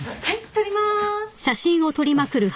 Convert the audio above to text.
撮ります。